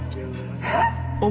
えっ？